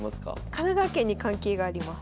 神奈川県に関係があります。